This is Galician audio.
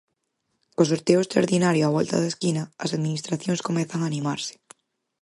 Co sorteo extraordinario á volta da esquina, as administracións comezan a animarse.